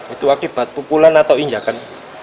itu akibat pukulan atau injakan